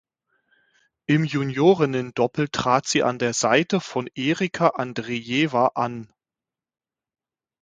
Im Juniorinnendoppel trat sie an der Seite von Erika Andrejewa an.